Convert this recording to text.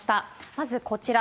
まずこちら。